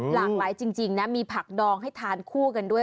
หลากหลายจริงนะมีผักดองให้ทานคู่กันด้วย